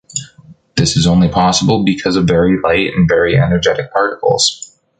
This is only possible because of very light and very energetic particles.